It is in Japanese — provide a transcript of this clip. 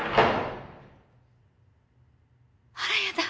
あらやだ！